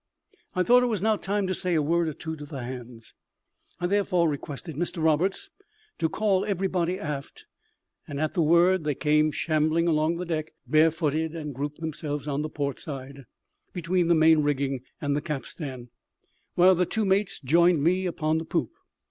I thought it was now time to say a word or two to the hands. I therefore requested Mr Roberts to call everybody aft; and at the word they came shambling along the deck, bare footed, and grouped themselves on the port side, between the main rigging and the capstan, while the two mates joined me upon the poop.